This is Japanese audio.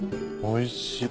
おいしい。